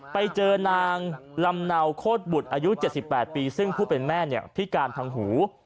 ไปเจอนางลำเนาโคตรบุตรอายุ๗๘ปีซึ่งผู้เป็นแม่พิการทางหู